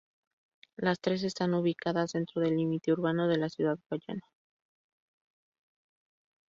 Las tres están ubicadas dentro del límite urbano de Ciudad Guayana.